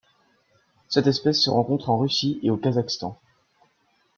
Cette espèce se rencontre en Russie et au Kazakhstan.